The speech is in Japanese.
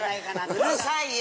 うるさいよ！